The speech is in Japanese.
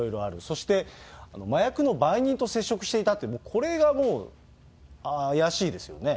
そして麻薬の売人と接触していたって、もうこれが怪しいですよね。